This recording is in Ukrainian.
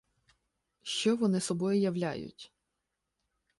Що вони собою являють?